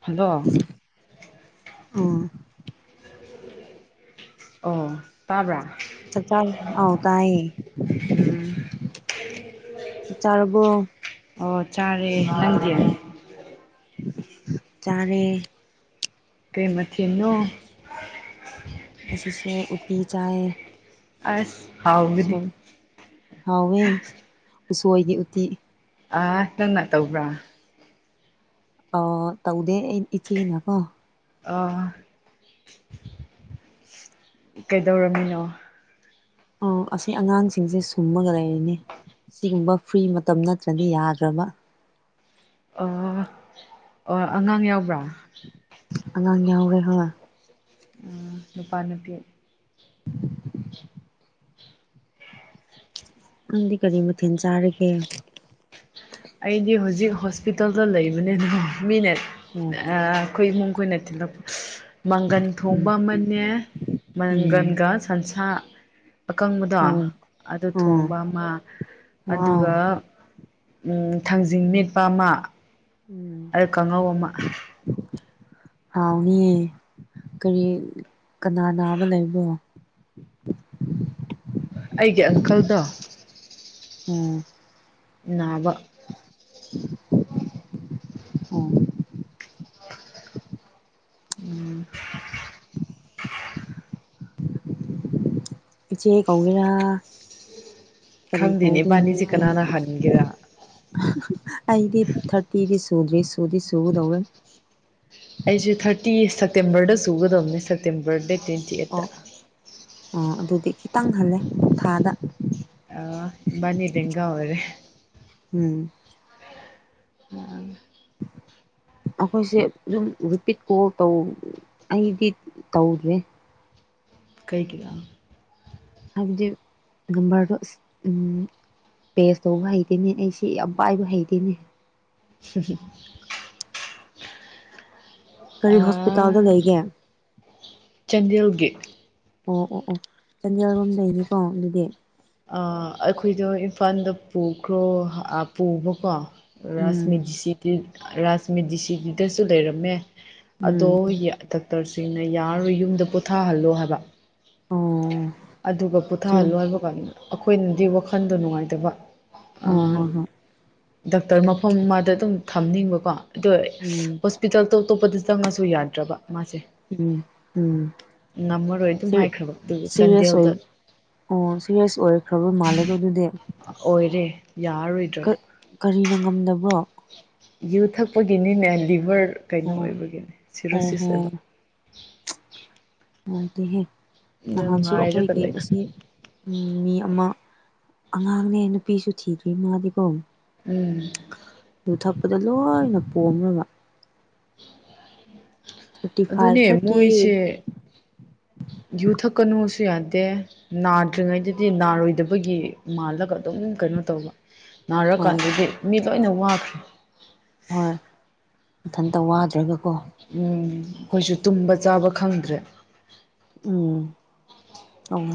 hello ꯑꯣ ꯑꯣ ꯇꯥꯕ꯭ꯔꯥ ꯆꯥꯛ ꯆꯥ ꯑꯥꯎ ꯇꯥꯏꯌꯦ ꯎꯝ ꯆꯥꯛ ꯆꯥꯔꯔꯕꯣ ꯑꯣ ꯆꯥꯔꯦ ꯅꯪꯗꯤ ꯆꯔꯦ ꯀꯩ ꯃꯊ ꯏꯟꯅꯣ ꯉꯁꯤꯁꯦ ꯎꯇꯤ ꯆꯥꯏ ꯑꯁ ꯍꯥꯎꯒꯗꯤ ꯍꯥꯎꯋꯦ ꯎꯁꯣꯏꯒꯤ ꯎꯇꯤ ꯑ ꯆꯟꯅ ꯇꯕ꯭ꯔꯥ ꯑ ꯇꯧꯗꯦ ꯏꯆꯦꯅ ꯀꯣ ꯑꯥ ꯀꯩꯗꯧꯔꯝꯃꯤꯅꯣ ꯎ ꯑꯁꯤ ꯑꯉꯥꯡꯁꯤꯡꯁꯦ ꯁꯨꯝꯃꯒ ꯂꯩꯔꯤꯅꯤ ꯑꯁꯤꯒꯨꯝꯕ ꯐ꯭ꯔꯤ ꯃꯇꯝ ꯅꯠꯇ꯭ꯔꯗꯤ ꯌꯥꯗ꯭ꯔꯕ ꯑꯣ ꯑꯉꯥꯡ ꯌꯥꯎꯕ꯭ꯔꯥ ꯑꯉꯥꯡ ꯌꯥꯎꯈ꯭ꯔꯦ ꯍꯣꯏ ꯎ ꯅꯨꯄꯥ ꯅꯨꯄꯤ ꯅꯪꯗꯤ ꯀꯔꯤ ꯃꯊꯦꯜ ꯆꯥꯔꯒꯦ ꯑꯩꯗꯤ ꯍꯧꯖꯤꯛ ꯍꯣꯁꯄꯤꯇꯥꯜꯗ ꯂꯩꯕꯅꯤꯅ ꯃꯤꯅ ꯑꯣ ꯑꯩꯈꯣꯏ ꯏꯃꯨꯡ ꯀꯣꯏꯅ ꯊꯤꯜꯂꯛꯄ ꯃꯪꯒꯟ ꯊꯣꯡꯕ ꯑꯃꯅꯦ ꯎꯝ ꯃꯪꯒꯟꯒ ꯁꯟꯁꯥ ꯑꯀꯪꯕꯗꯣ ꯎꯝ ꯑꯣ ꯑꯗꯨ ꯑꯥ ꯊꯣꯡꯕ ꯑꯃ ꯋꯥꯎ ꯑꯗꯨꯒ ꯎ ꯊꯥꯡꯖꯤꯡ ꯃꯦꯠꯄ ꯑꯃ ꯎꯝ ꯑꯗ ꯀꯥꯡꯉꯧ ꯑꯃ ꯍꯥꯎꯅꯤꯌꯦ ꯀꯔꯤ ꯀꯅꯥ ꯅꯥꯕ ꯂꯩꯕ꯭ꯔꯣ ꯑꯩꯒꯤ ꯑꯪꯀꯜꯗꯣ ꯎꯝ ꯅꯥꯕ ꯑꯣ ꯎꯝ ꯏꯆꯦ ꯀꯧꯒꯦꯔꯥ ꯀꯔꯤ ꯈꯪꯗꯦꯅꯦ ꯀꯧꯗꯣꯏꯅꯤ ꯏꯕꯥꯅꯤꯁꯦ ꯀꯅꯥꯅ ꯍꯟꯒꯦꯔꯥ ꯑꯩꯗꯤ ꯊꯥꯔꯇꯤꯗꯤ ꯁꯨꯗ꯭ꯦ ꯁꯨꯗꯤ ꯁꯨꯒꯗꯧꯔꯦ ꯑꯩꯁꯦ ꯊꯥꯔꯇꯤ ꯁꯦꯞꯇꯦꯝꯕꯔꯗ ꯆꯨꯒꯗꯕꯅꯦ ꯁꯦꯞꯇꯦꯝꯕꯔ ꯗꯦꯠꯇꯤꯟ ꯑꯣ ꯑꯣ ꯑꯣ ꯑꯗꯨꯗꯤ ꯈꯤꯇꯪ ꯍꯜꯂꯦ ꯊꯥꯗ ꯅꯤꯗꯒꯥꯎ ꯑꯔꯦ ꯎꯝ [unintelligible] [inaudible] ꯑꯩꯈꯣꯏꯁꯦ ꯑꯗꯨꯝ ꯔꯤꯄꯤꯠ ꯀꯣꯜ ꯇꯧ ꯑꯩꯗꯤ ꯇꯧꯗ꯭ꯔꯦ ꯀꯩꯒꯤꯅꯣ ꯍꯥꯏꯗꯤ ꯅꯝꯕꯗ ꯎꯝ ꯄꯦꯁ ꯇꯧꯕ ꯍꯩꯇꯅꯦ ꯑꯩꯁꯤ ꯌꯥꯝ ꯄꯥꯏꯕ ꯍꯩꯇꯦꯅꯦ [inaudible] ꯀꯔꯤ ꯍꯣꯁꯄꯤꯇꯥꯜꯗ ꯂꯩꯒꯦ ꯆꯟꯗꯌꯦꯜꯒꯤ ꯑꯣ ꯑꯣ ꯑꯣ ꯆꯥꯟꯗꯦꯜꯒꯨꯝꯗꯅꯤꯀꯣ ꯑꯗꯨꯗꯤ ꯑꯩꯈꯣꯏꯗꯣ ꯏꯝꯐꯥꯜꯗ ꯄꯨꯈ꯭ꯔꯣ ꯄꯨꯕꯀꯣ ꯎꯝ ꯔꯥꯁꯃꯤ ꯖꯤꯁꯤꯒꯤ ꯔꯥꯁꯃꯤ ꯖꯤꯁꯤꯒꯤ ꯗꯦꯁꯨ ꯂꯩꯔꯝꯃꯦ ꯑꯗꯣ ꯎꯝ ꯗꯥꯛꯇꯔꯁꯤꯡꯅ ꯌꯥꯔꯣꯏ ꯌꯨꯝꯗ ꯄꯣꯊꯥꯍꯜꯂꯣ ꯍꯥꯏꯕ ꯑꯣ ꯑꯗꯨꯒ ꯁꯤ ꯄꯣꯊꯥꯍꯜꯂꯣ ꯍꯥꯏꯕ ꯀꯥꯟꯅꯤꯅ ꯑꯩꯈꯣꯏꯅꯗꯤ ꯋꯥꯈꯜꯗꯣ ꯅꯨꯡꯉꯥꯏꯇꯕ ꯍꯣ ꯍꯣ ꯍꯣꯏ ꯗꯣꯛꯇꯔ ꯃꯐꯝ ꯑꯃꯗ ꯑꯗꯨꯝ ꯊꯝꯅꯤꯡꯕꯀꯣ ꯑꯗꯣ ꯎꯝ ꯍꯣꯁꯄꯤꯇꯥꯜꯇꯣꯞ ꯑꯇꯣꯞꯄꯗ ꯆꯪꯉꯁꯨ ꯌꯥꯗ꯭ꯔꯕ ꯃꯥꯁꯦ ꯎꯝ ꯎꯝ ꯉꯝꯃꯔꯣꯏ ꯑꯗꯨꯝ ꯁꯤ ꯍꯥꯏꯈ꯭ꯔꯕ ꯑꯗꯨꯒ ꯁꯤꯔꯤꯌꯁ ꯆꯥꯟꯗꯦꯜꯗ ꯑꯣꯏꯕ ꯑꯣ ꯁꯤꯦꯔꯤꯌꯥꯁ ꯑꯣꯏꯔꯈ꯭ꯔꯕꯣꯏ ꯃꯥꯜꯂꯦꯀꯣ ꯑꯗꯨꯗꯤ ꯑꯣꯏꯔꯦ ꯌꯥꯔꯔꯣꯏꯗ꯭ꯔꯕ ꯀꯔꯤꯅ ꯉꯝꯗꯕ꯭ꯔꯣ ꯌꯨ ꯊꯛꯄꯒꯤꯅꯤꯅꯦ ꯂꯤꯚꯔ ꯀꯩꯅꯣ ꯑꯣ ꯑꯣꯏꯕꯒꯤꯅꯦ ꯑꯣ ꯁꯤꯔꯣꯁꯤꯁ ꯍꯣ ꯑꯣꯏꯕ ꯅꯨꯡꯉꯥꯏꯇꯦꯍꯦ ꯌꯥꯝ ꯅꯍꯥꯟꯁꯨ ꯉꯥꯏꯔꯒ ꯑꯩꯈꯣꯏꯒꯤ ꯂꯩꯈ꯭ꯔꯦ ꯑꯁꯤ ꯎꯝ ꯃꯤ ꯑꯃ ꯑꯉꯥꯡꯅꯦ ꯅꯨꯄꯤꯁꯨ ꯊꯤꯗ꯭ꯣꯏ ꯃꯥꯗꯤꯀꯣ ꯎꯝ ꯑꯗꯨ ꯊꯛꯄꯗ ꯂꯣꯏꯅ ꯄꯣꯝꯃꯦꯕ ꯊꯥꯔꯇꯤ ꯐꯥꯏꯚ ꯑꯗꯨꯅꯦ ꯊꯥꯔꯇꯤ ꯃꯣꯏꯁꯦ ꯌꯨ ꯊꯛꯀꯅꯨꯁꯨ ꯌꯥꯗꯦ ꯎꯝ ꯅꯥꯗ꯭ꯔꯤꯉꯩꯗ ꯁꯤ ꯅꯥꯔꯣꯏꯗꯕꯒꯤ ꯃꯥꯜꯂꯒ ꯑꯗꯨꯝ ꯀꯩꯅꯣ ꯇꯧꯕ ꯍꯣꯏ ꯅꯥꯔꯀꯥꯟꯗꯗꯤ ꯃꯤ ꯂꯣꯏꯅ ꯋꯥꯈ꯭ꯔꯦ ꯍꯣꯏ ꯃꯊꯟꯇ ꯋꯥꯗ꯭ꯔꯒꯀꯣ ꯎꯝ ꯑꯩꯈꯣꯏꯁꯨ ꯇꯨꯝꯕ ꯆꯥꯕ ꯈꯪꯗ꯭ꯔꯦ ꯎꯝ ꯇꯧ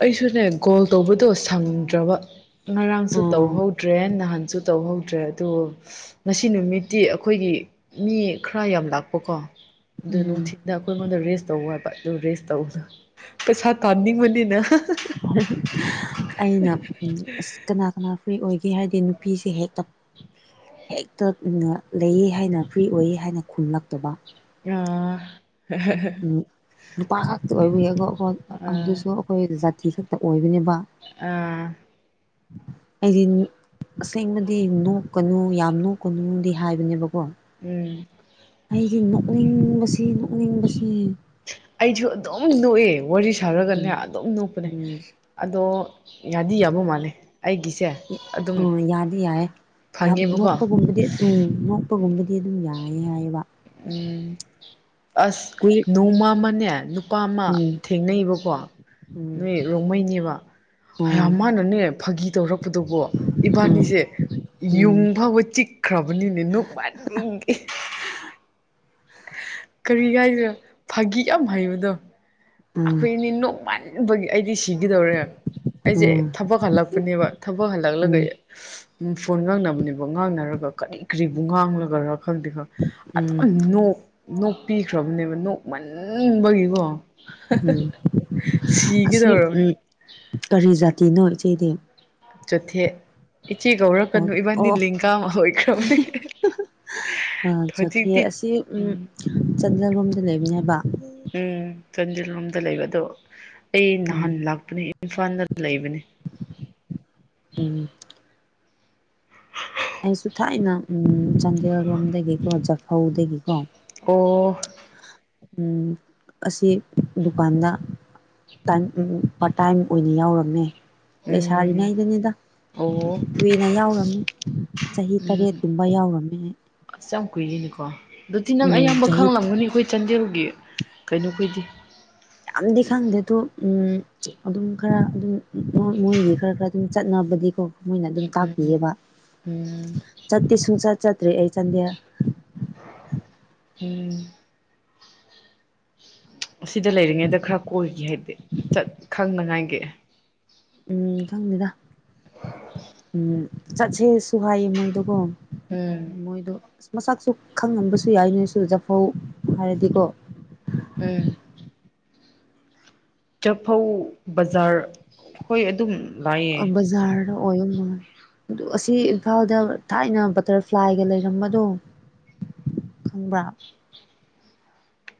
ꯑꯩꯁꯨꯅꯦ ꯒꯣꯜ ꯇꯧꯕꯗꯣ ꯁꯪꯗ꯭ꯔꯕ ꯉꯔꯥꯡꯁꯨ ꯑꯣ ꯇꯧꯍꯧꯗ꯭ꯔꯦ ꯅꯍꯥꯟꯁꯨ ꯇꯧꯍꯧꯗ꯭ꯔꯦ ꯑꯗꯨ ꯉꯁꯤ ꯅꯨꯃꯤꯠꯇꯤ ꯑꯩꯈꯣꯏꯒꯤ ꯃꯤ ꯈꯔ ꯌꯥꯝ ꯂꯥꯛꯄꯀꯣ ꯑꯗꯨ ꯎꯝ ꯅꯨꯡꯊꯤꯤꯟꯗ ꯑꯩꯈꯣꯏ ꯑꯩꯉꯣꯟꯗ ꯔꯦꯁ ꯇꯧꯕ ꯍꯥꯏꯕ ꯑꯗꯨ ꯔꯦꯁ ꯇꯧꯕꯗ ꯄꯩꯁꯥ ꯇꯥꯅꯤꯡꯕꯅꯤꯅ ꯑꯩꯅ ꯑ ꯀꯅꯥ ꯀꯅꯥ ꯐ꯭ꯔꯤ ꯑꯣꯏꯒꯦ ꯍꯥꯏꯕꯗꯤ ꯅꯨꯄꯤꯁꯦ ꯍꯦꯛꯇ ꯍꯦꯛꯇ ꯂꯩꯌꯦ ꯍꯥꯏꯅ ꯐ꯭ꯔꯤ ꯑꯣꯏꯌꯦ ꯍꯥꯏꯅ ꯈꯨꯝꯂꯛꯇꯕ ꯑ [unintelligible] ꯎꯝ ꯅꯨꯄꯥ ꯈꯇ ꯑꯣꯏꯕꯌꯦꯣ ꯑꯥ ꯑꯗꯨꯁꯨ ꯑꯩꯈꯣꯏ ꯖꯥꯇꯤ ꯈꯛꯇ ꯑꯣꯏꯕꯅꯦꯕ ꯑꯥ [inaudible] ꯑꯩꯗꯤ ꯑꯁꯦꯡꯕꯗꯤ ꯅꯣꯛꯀꯅꯨ ꯌꯥꯝ ꯅꯣꯛꯀꯅꯨꯗꯤ ꯍꯥꯏꯕꯅꯦꯕꯀꯣ ꯎꯝ ꯑꯩꯗꯤ ꯅꯣꯛꯅꯤꯡꯕꯁꯤ ꯅꯣꯛꯅꯤꯡꯕꯁꯤ ꯑꯩꯁꯨ ꯑꯗꯨꯝ ꯅꯣꯛꯑꯦ ꯋꯥꯔꯤ ꯎꯝ ꯁꯥꯔꯒꯅꯦ ꯑꯗꯨꯝ ꯅꯣꯛꯄꯅꯦ ꯎꯝ ꯑꯗꯣ ꯌꯥꯗꯤ ꯌꯥꯕꯧ ꯃꯥꯜꯂꯦ ꯑꯩꯒꯤꯁꯦ ꯑꯗꯨꯝ ꯎꯝ ꯌꯥꯗꯤ ꯌꯥꯏꯦ ꯐꯪꯉꯦꯕꯀꯣ ꯅꯣꯛꯄꯒꯨꯝꯕꯗꯤ ꯎꯝ ꯑꯄꯒꯨꯝꯕꯗꯤ ꯑꯗꯨꯝ ꯌꯥꯏꯑ ꯍꯥꯏꯌꯦꯕ ꯎꯝ ꯑꯁ ꯀꯨꯏ ꯅꯣꯡꯃ ꯃꯅꯦ ꯅꯨꯄꯥ ꯑꯃ ꯎꯝ ꯊꯦꯡꯅꯩꯕꯀꯣ ꯎꯝ ꯅꯣꯏ ꯔꯣꯡꯃꯩꯅꯦꯕ ꯎꯝ ꯃꯥꯅꯅꯦ ꯐꯥꯒꯤ ꯇꯧꯔꯛꯄꯗꯨꯕꯨ ꯏꯕꯥꯅꯤꯁꯦ ꯌꯨꯡ ꯎꯝ ꯐꯥꯎꯕ ꯆꯤꯛ ꯈ꯭ꯔꯕꯅꯤꯅꯦ ꯅꯨꯡ ꯃꯥ ꯅꯨꯡꯒꯤ ꯀꯔꯤ ꯀꯥꯏꯗꯅꯣ ꯐꯥꯒꯤ ꯌꯥꯝ ꯍꯩꯕꯗꯣ ꯎꯝ ꯑꯩꯈꯣꯏ ꯑꯅꯦ ꯅꯣꯡꯃꯥꯟ ꯒꯤ ꯑꯩꯗꯤ ꯁꯤꯈꯤꯗꯧꯔꯦ ꯑꯩꯁꯦ ꯎꯝ ꯊꯕꯛ ꯍꯜꯂꯛꯄꯅꯦꯕ ꯊꯕꯛ ꯎꯝ ꯎꯝ ꯍꯜꯂꯛꯂꯒ ꯎ ꯐꯣꯟ ꯉꯥꯡꯅꯕꯅꯦꯕ ꯉꯥꯡꯅꯔꯒ ꯀꯔꯤ ꯀꯔꯤꯕꯨ ꯉꯥꯡꯂꯒꯔꯥ ꯈꯪꯗꯦ ꯈꯪ ꯎꯝ ꯑꯗꯨꯝꯣꯛ ꯅꯣꯛꯄꯤꯈ꯭ꯔꯕꯅꯦꯕ ꯅꯣꯛ ꯃꯟꯕꯒꯤꯀꯣ ꯎꯝ ꯑꯁꯤ ꯁꯤꯒꯗꯧꯔꯕꯅꯦ ꯎꯝ ꯀꯔꯤ ꯖꯥꯇꯤꯅꯣ ꯏꯆꯦꯗꯤ ꯆꯣꯊꯦ ꯏꯆꯦ ꯑꯣ ꯀꯧꯔꯛꯀꯅꯨ ꯏꯕꯥꯟꯅꯤ ꯑꯣ ꯂꯤꯡꯒꯥ ꯑꯣꯏꯈ꯭ꯔꯕꯅꯦ ꯆꯣꯊꯦ ꯍꯧꯖꯤꯛꯇꯤ ꯑꯁꯤ ꯎꯝ ꯆꯟꯗꯦꯜꯔꯣꯝꯗ ꯂꯩꯕꯅꯦꯕ ꯎꯝ ꯆꯥꯟꯗꯦꯜꯔꯣꯝꯗ ꯂꯩꯕ ꯑꯗꯣ ꯑꯩ ꯅꯍꯥꯟ ꯂꯥꯛꯄꯅꯦ ꯏꯝꯐꯥꯜꯗ ꯂꯩꯕꯅꯦ ꯎꯝ ꯑꯩꯁꯨ ꯊꯥꯏꯅ ꯎꯝ ꯆꯥꯟꯗꯦꯜꯔꯣꯝꯗꯒꯤꯀꯣ ꯖꯐꯧꯗꯒꯤꯀꯣ ꯑꯣ ꯎꯝ ꯑꯁꯤ ꯗꯨꯀꯥꯟꯗ ꯄꯥꯔ ꯇꯥꯏꯝ ꯑꯣꯏꯅ ꯌꯥꯎꯔꯝꯃꯦ ꯎꯝ ꯂꯩꯁꯥꯔꯤꯉꯩꯗꯅꯤꯗ ꯑꯣ ꯀꯨꯏꯅ ꯌꯥꯎꯔꯝꯃꯤ ꯆꯍꯤ ꯎꯝ ꯇꯔꯦꯠꯀꯨꯝꯕ ꯌꯥꯎꯔꯝꯃꯦ ꯑꯁ ꯌꯥꯝ ꯀꯨꯏꯔꯤꯅꯤꯀꯣ ꯑꯗꯨꯗꯤ ꯅꯪ ꯎꯝ ꯑꯌꯥꯝꯕ ꯆꯍꯤ ꯈꯪꯂꯝꯒꯅꯤ ꯑꯩꯈꯣꯏ ꯆꯥꯟꯗꯦꯜꯒꯤ ꯀꯩꯅꯣꯈꯣꯏꯗꯤ ꯌꯥꯝꯗꯤ ꯈꯪꯗꯦ ꯇꯣ ꯎꯝ ꯑꯗꯨꯝ ꯈꯔ ꯑꯗꯨꯝ ꯃꯣꯏꯒꯤ ꯈꯔ ꯈꯔ ꯑꯗꯨꯝ ꯆꯠꯅꯕꯗꯤꯀꯣ ꯃꯣꯏꯅ ꯑꯗꯨꯝ ꯎꯝ ꯇꯥꯛꯄꯤꯑꯕ ꯎꯝ ꯆꯠꯇꯦ ꯁꯨꯡꯆꯠ ꯆꯠꯇ꯭ꯔꯦ ꯑꯩ ꯆꯟꯗꯦꯜ ꯎꯝ ꯑꯁꯤꯗ ꯂꯩꯔꯤꯉꯩꯗ ꯈꯔ ꯀꯣꯏꯒꯦ ꯍꯥꯏꯗꯤ ꯆꯠ ꯈꯪꯅꯉꯥꯏꯒꯤ ꯎꯝ ꯈꯪꯗꯦꯗ ꯎꯝ ꯆꯠꯁꯦꯁꯨꯨ ꯍꯥꯏꯌꯦ ꯃꯣꯏꯗꯨꯒꯣ ꯎꯝ ꯃꯣꯏꯗꯣ ꯑꯁ ꯃꯁꯥꯛꯁꯨ ꯈꯪꯍꯟꯕꯁꯨ ꯌꯥꯏ ꯅꯣꯏꯁꯨ ꯖꯐꯧ ꯍꯥꯏꯔꯗꯤꯀꯣ ꯎꯝ ꯆꯐꯧ ꯕꯖꯥꯔ ꯍꯣꯏ ꯑꯗꯨꯝ ꯂꯥꯛꯑꯦ ꯕꯖꯥꯔꯗ ꯑꯣꯏꯔꯝꯃꯣꯏ ꯑꯗꯨ ꯑꯁꯤ ꯏꯝꯐꯥꯜꯗ ꯊꯥꯏꯅ ꯕꯇꯔꯐ꯭ꯂꯥꯏꯒ ꯂꯩꯔꯝꯕꯗꯣ ꯈꯪꯕ꯭ꯔꯥ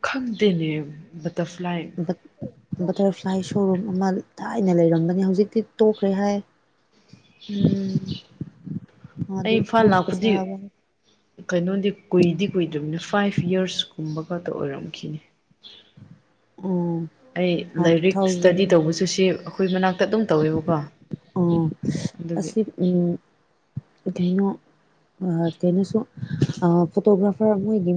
ꯈꯪꯗꯅꯦ ꯕꯇꯔꯐ꯭ꯂꯥꯏ ꯕꯇꯔꯐ꯭ꯂꯥꯏ ꯁꯣꯔꯨꯝ ꯑꯃ ꯊꯥꯏꯅ ꯂꯩꯔꯝꯕꯅꯤ ꯍꯧꯖꯤꯛꯇꯤ ꯇꯣꯛꯈ꯭ꯔꯦ ꯍꯥꯏ [inaudible] ꯎꯝ ꯑꯩ ꯑꯗꯨ ꯏꯝꯐꯥꯜ ꯑꯗꯨ ꯄꯩꯁꯥ ꯂꯥꯛꯄꯗꯤ ꯑꯣ ꯀꯩꯅꯣꯗꯤ ꯀꯨꯏꯗꯤ ꯀꯨꯏꯗ꯭ꯕꯅꯤ ꯐꯥꯏꯚ ꯌꯥꯔꯁ ꯀꯨꯝꯕ ꯈꯛꯇ ꯑꯣꯏꯔꯝꯈꯤꯅꯤ ꯑꯣ ꯑꯩ ꯂꯥꯏꯔꯤꯛ ꯏꯁꯇꯗꯤ ꯇꯧꯕꯁꯨ ꯁꯤ ꯑꯩꯈꯣꯏ ꯃꯅꯥꯛꯇ ꯑꯗꯨꯝ ꯇꯧꯋꯦꯕꯀꯣ ꯑꯣ ꯑꯗꯨꯒꯤ ꯑꯁꯤ ꯎꯝ ꯀꯩꯅꯣ ꯑꯥ ꯀꯩꯅꯣꯁꯨ ꯑꯥ ꯐꯣꯇꯣꯒ꯭ꯔꯥꯐꯔ ꯃꯣꯏꯒꯤ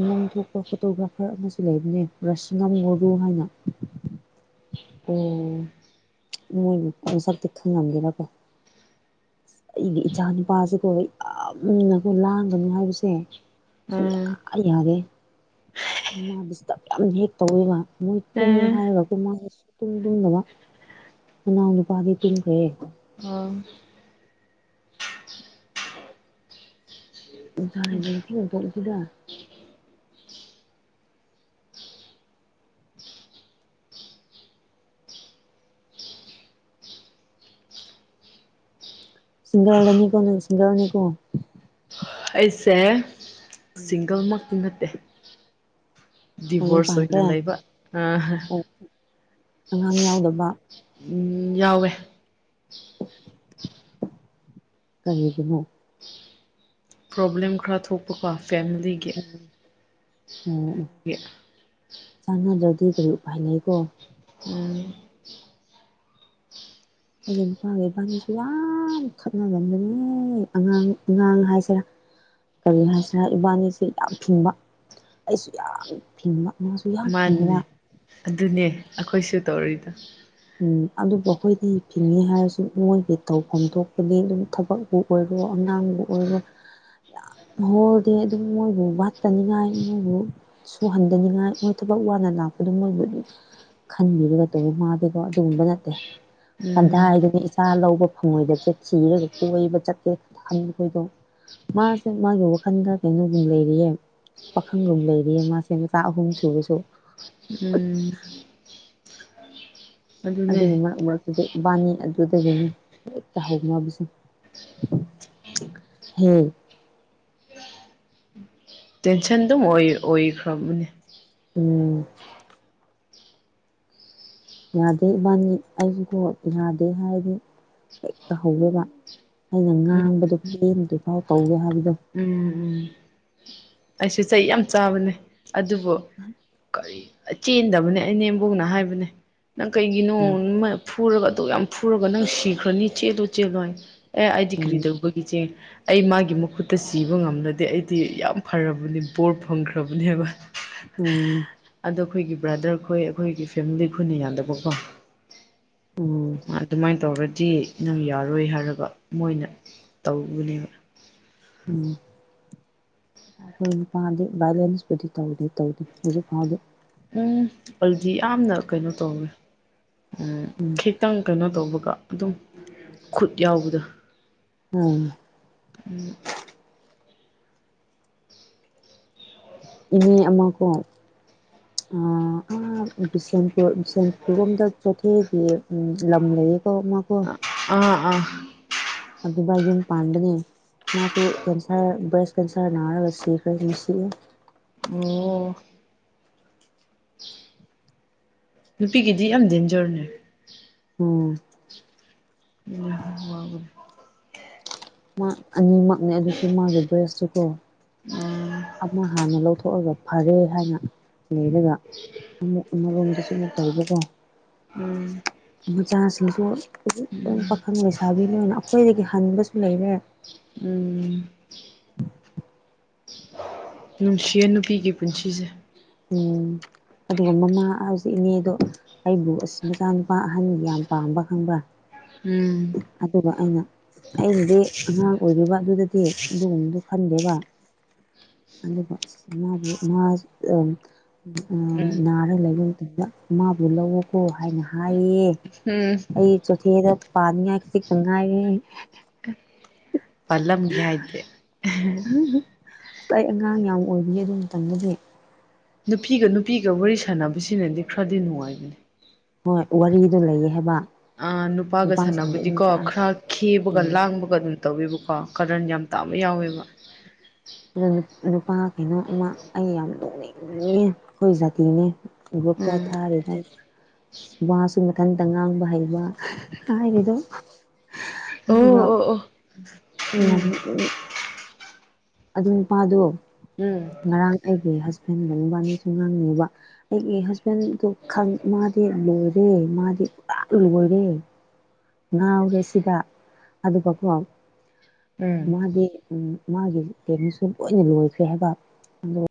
ꯏꯃꯨꯡ ꯊꯣꯛꯄ ꯐꯣꯇꯣꯒ꯭ꯔꯥꯐꯔ ꯑꯃꯁꯨ ꯂꯩꯕꯅꯦ ꯔꯥꯁꯤꯉꯝ ꯃꯨꯔꯒꯨ ꯍꯥꯏꯅ ꯑꯣ ꯃꯣꯏ ꯃꯁꯛꯇꯣ ꯊꯤꯉꯥꯝꯒꯦꯔꯥ ꯀꯣ ꯑꯩꯒꯤ ꯏꯆꯥ ꯅꯨꯄꯥꯁꯤꯀꯣ ꯌꯥꯝꯅꯀꯣ ꯂꯥꯡꯒꯅꯨ ꯍꯥꯏꯕꯁꯦ ꯁꯨꯡꯌꯥ ꯎꯝ ꯌꯥꯗꯦ ꯃꯥ ꯗꯤꯁꯇ꯭ꯔꯕ ꯌꯥꯝ ꯍꯦꯛ ꯇꯧꯋꯦꯕ ꯃꯣꯏ ꯇꯨꯝꯃꯣ ꯑꯦ ꯍꯥꯏꯔꯒ ꯇꯨꯝꯃꯣ ꯍꯥꯏꯔꯒꯥ ꯁꯨꯛꯇꯨꯨꯝ ꯇꯨꯝꯗꯥꯕ ꯃꯅꯥꯎ ꯅꯨꯄꯥꯗꯤ ꯇꯨꯝꯈ꯭ꯔꯦ ꯑꯥ ꯅꯨꯡꯁꯥ ꯍꯥꯏꯒꯠꯂꯛꯇꯔꯤꯉꯩ ꯇꯣꯛꯂꯥꯁꯤꯔꯥ ꯁꯤꯡꯒꯥꯜ ꯔꯥꯅꯤꯀꯣ ꯅꯪ ꯁꯤꯡꯒꯜꯅꯤꯀꯣ ꯑꯩꯁꯦ ꯎꯝ ꯁꯤꯡꯒꯜꯃꯛꯇꯤ ꯅꯠꯇꯦ ꯃꯌꯨꯝ ꯗꯤꯚꯣꯔꯁ ꯑꯣꯏꯅ ꯄꯥꯟꯈ꯭ꯔꯦ ꯂꯩꯕ ꯑꯥ ꯑꯣ ꯑꯉꯥꯡ ꯌꯥꯎꯗꯥꯕ ꯎꯝ ꯌꯥꯎꯋꯦ ꯀꯔꯤꯒꯤꯅꯣ ꯄ꯭ꯔꯣꯕꯂꯦꯝ ꯈꯔ ꯊꯣꯛꯄꯀꯣ ꯐꯦꯃꯤꯂꯤ ꯎꯝ ꯑꯣꯝ ꯆꯥꯟꯅꯗ꯭ꯔꯥꯗꯤ ꯀꯔꯤ ꯎꯄꯥꯏ ꯂꯩꯀꯣ ꯎꯝ ꯑꯩꯒꯤ ꯅꯨꯄꯥꯒꯥ ꯏꯕꯥꯅꯤꯁꯨ ꯌꯥꯝ ꯈꯠꯅꯒꯟꯕꯅꯦ ꯑꯉꯥꯡ ꯑꯉꯥꯡ ꯍꯥꯏꯁꯤꯔꯥ ꯀꯔꯤ ꯍꯥꯏꯁꯤꯔꯥ ꯏꯕꯥꯅꯤꯁꯦ ꯌꯥꯝ ꯐꯤꯡꯕ ꯑꯩꯁꯨ ꯌꯥꯝ ꯐꯤꯡꯕ ꯃꯥꯁꯨ ꯌꯥꯝ ꯃꯥꯅꯦ ꯐꯤꯡꯕ ꯑꯗꯨꯅꯦ ꯑꯈꯣꯏꯁꯨ ꯇꯧꯔꯤꯗꯣ ꯎꯝ ꯑꯗꯨꯕꯨ ꯑꯩꯈꯣꯏꯗꯤ ꯐꯤꯉꯦ ꯍꯥꯏꯔꯁꯨ ꯃꯣꯏꯒꯤ ꯇꯧꯐꯝ ꯊꯣꯛꯄꯗꯤ ꯑꯗꯨꯝ ꯊꯕꯛ ꯕꯨ ꯑꯣꯏꯔꯣ ꯑꯉꯥꯡꯕꯨ ꯑꯣꯏꯔꯣ ꯌꯥꯝ [unintelligible] ꯑꯗꯨꯝ ꯃꯣꯏꯕꯨ ꯋꯥꯠꯇꯅꯤꯉꯥꯏ ꯃꯣꯏꯕꯨ ꯁꯨꯍꯟꯗꯥꯅꯤꯡꯉꯥꯏ ꯃꯣꯏ ꯊꯕꯛ ꯋꯥꯅ ꯂꯥꯛꯄꯗꯣ ꯃꯣꯏꯕꯨ ꯑꯗꯨ ꯈꯟꯕꯤꯔꯒꯥ ꯇꯧꯕ ꯃꯥꯗꯥ ꯑꯣ ꯑꯗꯨꯒꯨꯝꯕ ꯅꯠꯇꯦ ꯎꯝ ꯀꯥꯗꯥꯥꯏꯗꯒꯤ ꯏꯆꯥ ꯂꯧꯕ ꯐꯪꯉꯣꯏꯗꯥꯕꯁꯦ ꯊꯤꯔꯒꯥ ꯀꯣꯏꯕ ꯆꯠꯀꯦ [unintelligible] ꯈꯣꯏꯗꯣ ꯃꯥꯁꯦ ꯃꯥꯒꯤ ꯋꯥꯈꯜꯗꯥ ꯀꯩꯅꯣꯃꯥ ꯂꯩꯔꯤꯌꯦ ꯄꯥꯈꯪꯒꯨꯝ ꯂꯩꯔꯤꯌꯦ ꯃꯥꯁꯦ ꯃꯆꯥ ꯑꯍꯨꯝ ꯁꯨꯔꯥꯁꯨ ꯎꯝ ꯑꯗꯨꯅꯦ ꯑꯗꯨꯒꯤ ꯃꯔꯛ ꯃꯔꯛꯇꯨꯗꯥ ꯏꯕꯥꯅꯤ ꯑꯗꯨꯗꯥꯒꯤꯅꯤ ꯍꯦꯛꯇꯥ ꯍꯧꯅꯕꯁꯦ ꯍꯦ ꯇꯦꯟꯁꯟ ꯑꯗꯨꯝ ꯑꯣꯏ ꯑꯣꯏꯈ꯭ꯔꯕꯅꯦ ꯎꯝ ꯌꯥꯗꯦ ꯏꯕꯥꯅꯤ ꯑꯩꯁꯨꯀꯣ ꯌꯥꯗꯦ ꯍꯥꯏꯔꯗꯤ ꯍꯦꯛꯇꯥ ꯍꯧꯋꯦꯕ ꯑꯩꯅ ꯉꯥꯡꯕꯗꯣ ꯄꯦꯟꯗꯔꯤꯐꯥꯎ ꯀꯧꯒꯦ ꯍꯥꯏꯕꯗꯣ ꯎꯝ ꯎꯝ ꯑꯩꯁꯨ ꯆꯩ ꯌꯥꯝ ꯆꯥꯕꯅꯦ ꯑꯗꯨꯕꯨ ꯀꯔꯤ ꯆꯦꯟꯗꯥꯕꯅꯦ ꯏꯅꯦꯝꯕꯣꯛꯅ ꯍꯥꯏꯕꯅꯦ ꯅꯪ ꯀꯩꯒꯤꯅꯣ ꯐꯨꯔꯒꯥ ꯑꯗꯨ ꯌꯥꯝ ꯐꯨꯔꯒꯥ ꯅꯪ ꯁꯤꯈ꯭ꯔꯅꯤ ꯆꯦꯜꯂꯨ ꯆꯦꯜꯂꯣ ꯍꯥꯏ ꯑꯦ ꯑꯩꯗꯤ ꯀꯔꯤ ꯎꯝ ꯇꯧꯕ ꯏꯆꯦ ꯑꯩ ꯃꯥꯒꯤ ꯃꯈꯨꯠꯇꯥ ꯁꯤꯕ ꯉꯝꯂꯗꯤ ꯑꯩꯗꯤ ꯌꯥꯝ ꯐꯔꯕꯅꯤ ꯕꯣꯔ ꯐꯪꯈ꯭ꯔꯕꯅꯦꯕ ꯎꯝ ꯑꯗꯣ ꯑꯩꯈꯣꯏꯒꯤ ꯕ꯭ꯔꯥꯗꯔ ꯈꯣꯏ ꯑꯩꯈꯣꯏꯒꯤ ꯐꯦꯃꯤꯂꯤ ꯈꯣꯏꯅ ꯌꯥꯗꯕꯀꯣ ꯎꯝ ꯑꯗꯨꯃꯥꯏꯅ ꯇꯧꯔꯗꯤ ꯅꯪ ꯌꯥꯔꯣꯏ ꯍꯥꯏꯔꯒ ꯃꯣꯏꯅ ꯇꯧꯕꯅꯦꯕ ꯎꯝ ꯑꯈꯣꯏ ꯅꯨꯄꯥꯗꯤ ꯕꯥꯏꯌꯣꯂꯦꯟꯁꯄꯨꯗꯤ ꯇꯧꯗꯤ ꯇꯧꯗꯦ ꯍꯧꯖꯤꯛ ꯐꯥꯎꯗꯤ ꯎꯝ ꯑꯗꯨꯗꯤ ꯌꯥꯝꯅ ꯀꯩꯅꯣ ꯇꯧꯋꯦ ꯎꯝ ꯎꯝ ꯍꯈꯤꯦꯛꯇꯪ ꯀꯩꯅꯣ ꯇꯧꯕꯒ ꯑꯗꯨꯝ ꯈꯨꯠ ꯌꯥꯎꯕꯗ ꯎꯝ ꯎꯝ ꯏꯅꯦ ꯑꯃꯈ ꯕꯤꯁꯦꯝꯄꯨꯔ ꯕꯤꯁꯦꯟꯄꯨꯔ ꯔꯣꯝꯗ ꯆꯠꯊꯦꯛꯒꯤ ꯎ ꯂꯝꯝ ꯂꯩꯏꯀ ꯃꯥꯀ ꯑꯝ ꯎꯝ ꯑꯕꯥꯨꯅ ꯄꯥꯗꯅꯦ ꯃꯥꯁꯨ ꯀꯦꯟꯁꯔ ꯕ꯭ꯔꯦꯁ ꯀꯦꯟꯁꯔ ꯅꯥꯔꯒ ꯁꯤꯈ꯭ꯔꯦ ꯅꯨꯡꯁꯤꯑꯦ ꯑꯣ ꯅꯨꯄꯤꯒꯤꯗꯤ ꯌꯥꯝ ꯗꯦꯟꯖꯔꯅꯦ ꯎꯝ ꯎ ꯋꯥ ꯑꯅꯤꯃꯛꯅꯦ ꯑꯗꯨꯁꯨ ꯃꯥꯒꯤ ꯕ꯭ꯔꯦꯁꯇꯨꯀꯣ ꯎꯝ ꯑꯃ ꯍꯥꯟꯅ ꯂꯧꯊꯣꯛꯑꯒ ꯐꯔꯦ ꯍꯥꯏꯅ ꯂꯩꯔꯒ ꯑꯃꯨꯛ ꯑꯃꯔꯣꯝꯗꯁꯨ ꯑꯃꯨꯛ ꯇꯧꯕꯀꯣ ꯎꯝ ꯃꯆꯥꯁꯤꯡꯁꯨ ꯍꯧꯖꯤꯛ ꯂꯣꯏꯟ ꯄꯥꯈꯪ ꯂꯩꯁꯥꯕꯤ ꯂꯣꯏꯅ ꯑꯩꯈꯣꯏꯗꯒꯤ ꯍꯟꯕꯁꯨ ꯂꯩꯔꯦ ꯎꯝ ꯅꯨꯡꯁꯤꯌꯦ ꯅꯨꯄꯤꯒꯤ ꯄꯨꯟꯁꯤꯁꯦ ꯎꯝ ꯑꯗꯨꯒ ꯃꯃꯥ ꯍꯧꯖꯤꯛ ꯏꯅꯦꯗꯣ ꯑꯩꯕꯨ ꯑꯁ ꯃꯆꯥꯅꯨꯄꯥ ꯑꯍꯟ ꯌꯥꯝ ꯄꯥꯝꯕ ꯈꯪꯕ꯭ꯔꯥ ꯎꯝ ꯑꯗꯨꯒ ꯑꯩꯅ ꯑꯩꯅꯗꯤ ꯑꯉꯥꯡ ꯑꯣꯏꯔꯤꯕ ꯑꯗꯨꯗꯗꯤ ꯑꯗꯨꯒꯨꯝꯕꯗꯨ ꯈꯟꯗꯦꯕ ꯑꯗꯨꯒ ꯃꯥꯕꯨ ꯃꯥꯁꯦ ꯑꯣ ꯑ ꯎꯝ ꯅꯥꯔ ꯂꯩꯕ ꯃꯇꯝꯗ ꯃꯥꯕꯨ ꯂꯧꯌꯣꯀꯣ ꯍꯥꯏꯅ ꯍꯥꯏꯌꯦ ꯍꯨꯝ ꯑꯩ ꯆꯣꯊꯦꯗ ꯄꯥꯟꯅꯤꯉꯥꯏ ꯈꯖꯤꯛꯇꯪ ꯉꯥꯏꯔꯦꯍꯦ ꯄꯥꯜꯂꯝꯒꯦ ꯍꯥꯏꯗꯦ [unintelligible] ꯑꯗꯣ ꯑꯩ ꯑꯉꯥꯡ ꯌꯥꯝ ꯑꯣꯏꯔꯤꯌꯦ ꯑꯗꯨ ꯃꯇꯝꯗꯗꯤ ꯅꯨꯄꯤꯒ ꯅꯨꯄꯤꯒ ꯋꯥꯔꯤ ꯁꯥꯟꯅꯕꯁꯤꯅꯗꯤ ꯈꯔꯗꯤ ꯅꯨꯡꯉꯥꯏꯕꯅꯦ ꯍꯣꯏ ꯋꯥꯔꯤꯗꯣ ꯂꯩꯌꯦ ꯍꯥꯏꯕ ꯑ ꯅꯨꯄꯥꯒ ꯅꯨꯄꯥꯁꯤꯡꯗꯤ ꯑꯗꯨꯝ ꯁꯥꯟꯅꯕꯗꯤꯀꯣ ꯇꯥꯛꯑꯦ ꯈꯔ ꯈꯦꯕꯒ ꯂꯥꯡꯕꯒ ꯑꯗꯨꯝ ꯇꯧꯋꯦꯕꯀꯣ ꯀꯥꯔꯟ ꯌꯥꯝ ꯇꯥꯕ ꯌꯥꯎꯋꯦꯕ ꯑꯗꯨꯅꯦ ꯅꯨꯄꯥ ꯀꯩꯅꯣ ꯑꯃ ꯑꯩꯅ ꯌꯥꯝ ꯅꯣꯛꯅꯤꯡꯉꯦ ꯑꯩꯈꯣꯏ ꯖꯥꯇꯤꯅꯦ ꯏꯕꯣꯛꯇ ꯎꯝ ꯊꯥꯔꯤꯉꯩ ꯋꯥꯁꯨ ꯃꯊꯟ ꯇꯪ ꯉꯥꯡꯕ ꯍꯩꯕ ꯍꯥꯏꯔꯦꯗꯣ ꯑꯣ ꯑꯗꯨꯒ ꯑꯣ ꯑꯣ ꯑꯩ ꯌꯥꯝ ꯅꯣꯛꯅꯤꯡꯕ ꯑꯗꯨ ꯅꯨꯄꯥꯗꯣ ꯎꯝ ꯎꯝ ꯉꯔꯥꯡ ꯑꯩꯒꯤ ꯍꯁꯕꯦꯟꯒ ꯃꯕꯥꯟꯅꯤꯁꯨ ꯉꯥꯡꯅꯩꯕ ꯑꯩꯒꯤ ꯍꯁꯕꯦꯟꯗꯨ ꯈꯪ ꯃꯥꯗꯤ ꯂꯣꯏꯔꯦ ꯃꯥꯗꯤ ꯄꯨꯔꯥ ꯂꯣꯏꯔꯦ ꯉꯥꯎꯔꯦ ꯁꯤꯗ ꯑꯗꯨꯒꯀꯣ ꯎꯝ ꯃꯥꯗꯤ ꯎꯝ ꯃꯥꯒꯤ ꯇꯦꯛꯅꯤꯁꯨ ꯂꯣꯏꯅ ꯂꯣꯏꯈ꯭ꯔꯦ ꯍꯥꯏꯕ